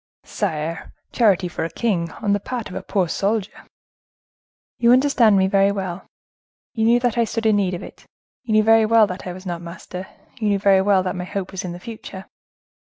"Sire!—charity for a king, on the part of a poor soldier!" "You understand me very well; you knew that I stood in need of it; you knew very well that I was not master; you knew very well that my hope was in the future.